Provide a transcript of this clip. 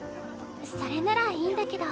それならいいんだけど。